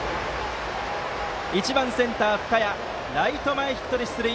１番、センターの深谷ライト前ヒットで出塁。